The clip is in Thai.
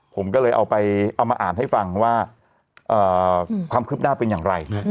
ผมก็เลยเอาไปเอามาอ่านให้ฟังว่าความคืบหน้าเป็นอย่างไร